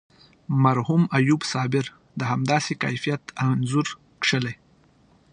مرحوم ایوب صابر د همداسې کیفیت انځور کښلی.